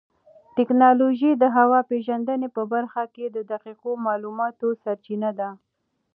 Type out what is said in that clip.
ټیکنالوژي د هوا پېژندنې په برخه کې د دقیقو معلوماتو سرچینه ده.